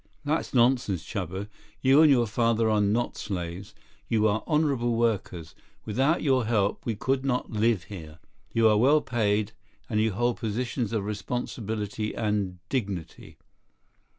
"That's nonsense, Chuba. You and your father are not slaves. You are honorable workers. Without your help, we could not live here. You are well paid, and you hold positions of responsibility and dignity.